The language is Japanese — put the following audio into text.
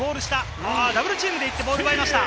ダブルチームで行ってボールを奪いました。